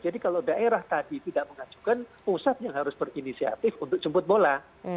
jadi kalau daerah tadi tidak mengajukan pusat yang harus berinisiatif untuk jemput bola